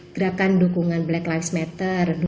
gerakan dukungan black lives matter